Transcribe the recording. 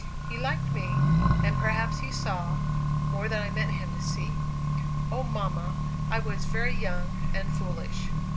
He liked me, and perhaps he saw more than I meant him to see! O mamma, I was very young and foolish!"